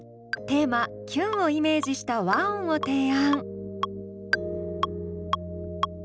テーマ「キュン」をイメージした和音を提案。